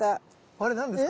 あれ何ですか？